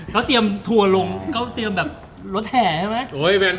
เขาเตรียมทัวร์ลงเขาเตรียมแบบรถแห่ใช่ไหม